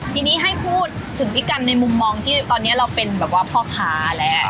ทีนี้ให้พูดถึงพี่กันในมุมมองที่ตอนนี้เราเป็นแบบว่าพ่อค้าแล้ว